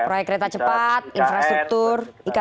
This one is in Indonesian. proyek kereta cepat infrastruktur